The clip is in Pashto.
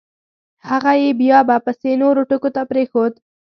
هغه یې بیا به … پسې نورو ټکو ته پرېنښود.